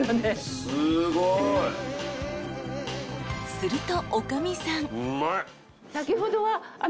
［すると］